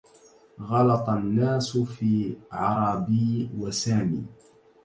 غلط الناس في عرابي وسامي